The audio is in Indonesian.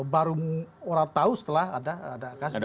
baru orang tahu setelah ada kasus